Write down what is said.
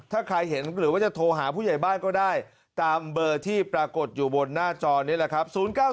ถ้าใครเห็นหรือว่าจะโทรหาผู้ใหญ่บ้านก็ได้ตามเบอร์ที่ปรากฏอยู่บนหน้าจอนี้แหละครับ